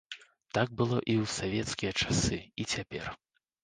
Так было і ў савецкія часы, і цяпер.